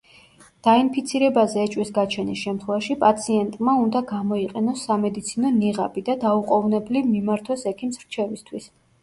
დაინფიცირებაზე ეჭვის გაჩენის შემთხვევაში, პაციენტმა უნდა გამოიყენოს სამედიცინო ნიღაბი და დაუყონებლივ მიმართოს ექიმს რჩევისთვის.